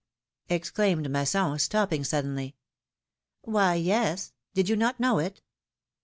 exclaimed Masson, stopping suddenly. Why, yes ! Did you not know it?"